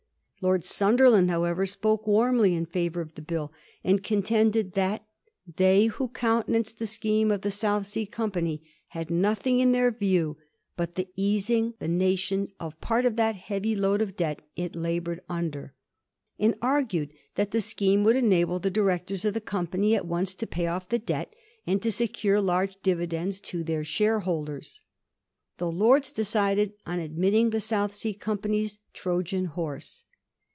* Digiti zed by Google 1720. THE BILL PASSED. 251 Lord Sunderland, however, spoke warmly in favour of the Bill, and contended that *they who counte nanced the scheme of the South Sea Company had nothing in their view but the easing the nation of part of that heavy load of debt it laboured under ;' and argued that the scheme would enable the direc tors of the company at once to pay off the debt, and to secure large dividends to their shareholders. The Lords decided on admitting the South Sea Company's Trojan horse.